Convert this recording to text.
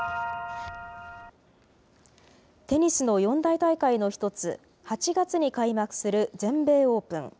テニスの四大大会の１つ、８月に開幕する全米オープン。